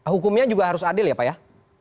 hukumnya juga harus adil ya pak ya